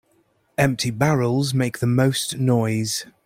Empty barrels make the most noise.